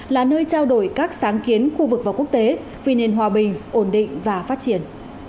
là nơi trao đổi các sáng kiến khu vực và quốc tế vì nền hòa bình ổn định và phát triển